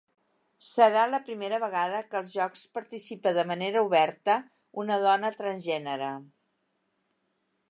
Serà la primera vegada que als jocs participa de manera oberta una dona transgènere.